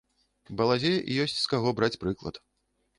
Балазе, ёсць з каго браць прыклад.